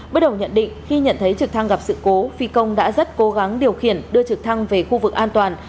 bước đầu nhận định khi nhận thấy trực thăng gặp sự cố phi công đã rất cố gắng điều khiển đưa trực thăng về khu vực an toàn